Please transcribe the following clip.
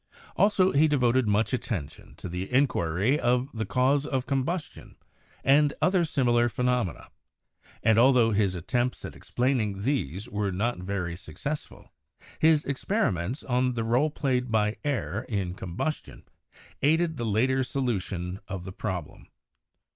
Also he devoted much attention to the inquiry of the cause of combustion and other similar phenomena, and altho his attempts at explaining these were not very successful, his experiments on the role played by air in combustion aided the later solution of the problem.